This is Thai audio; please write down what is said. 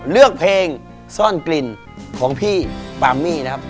เลือกเพลงซ่อนกลิ่นของพี่ปามี่นะครับ